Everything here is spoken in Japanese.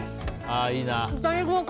ああ、いいな。